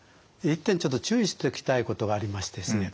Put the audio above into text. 一点ちょっと注意しておきたいことがありましてですね